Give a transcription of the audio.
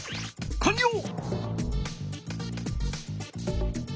かんりょう！